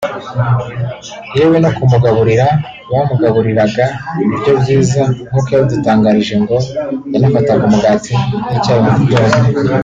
yewe no ku mugaburira bamugaburiraga ibiryo byiza nk’uko yabidutangarije ngo yanafataga umugati n’icyayi mu gitondo